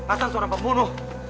asan seorang pembunuh